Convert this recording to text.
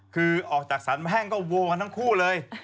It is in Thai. คือออกจากสรรแห้งก็โวกันทั้งคู่เลย